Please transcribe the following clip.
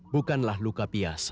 bukanlah luka biasa